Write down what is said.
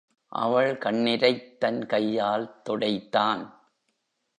அவள் கண்ணிரைத் தன் கையால் துடைத்தான்.